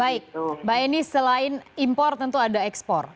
baik mbak eni selain impor tentu ada ekspor